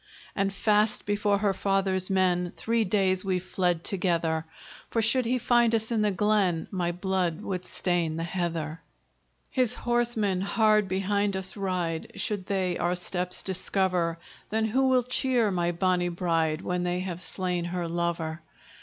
"And fast before her father's men Three days we've fled together; For should he find us in the glen, My blood would stain the heather. "His horsemen hard behind us ride; Should they our steps discover, Then who will cheer my bonny bride When they have slain her lover?"